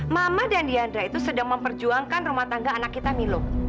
mama dan diandra itu sedang memperjuangkan rumah tangga anak kita milu